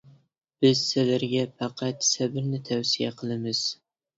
بىز سىلەرگە پەقەت سەبرىنى تەۋسىيە قىلىمىز.